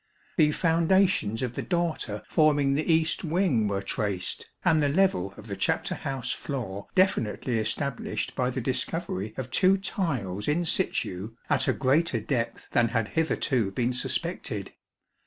The foundations of the dorter forming the east wing were traced and the level of the chapter house floor definitely established by the discovery of two tiles in situ at a greater depth than had hitherto been suspected.